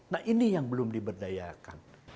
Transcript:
nah ini yang belum diberdayakan